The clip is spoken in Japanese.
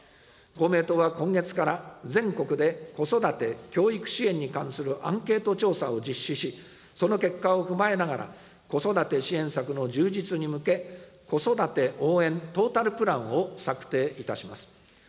公明党は今月から、全国で子育て・教育支援に関するアンケート調査を実施し、その結果を踏まえながら、子育て支援策の充実に向け、子育て応援トータルプランを策定いたします。